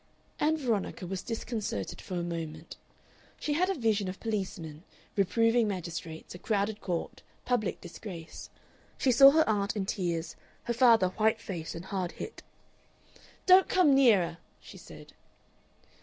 Ann Veronica was disconcerted for a moment. She had a vision of policemen, reproving magistrates, a crowded court, public disgrace. She saw her aunt in tears, her father white faced and hard hit. "Don't come nearer!" she said.